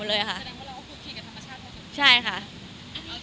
ดูแลรักษาทั้งธุรกิจอะไรแบบนี้